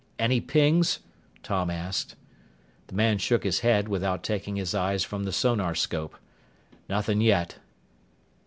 "Any pings?" Tom asked. The man shook his head without taking his eyes from the sonarscope. "Nothing yet."